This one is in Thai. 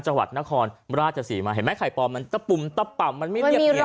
จังหวัดนครราชสีมาเห็นไหมไข่ปลอมมันตะปุ่มตะป่ำมันไม่เรียบเนียน